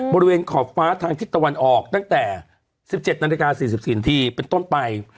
บริเวณขอบฟ้าทางทิศตะวันออกตั้งแต่๑๗นาฬิกา๔๔ทีเป็นต้นไป